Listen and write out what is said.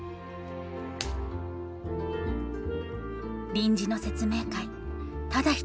臨時の説明会ただ１人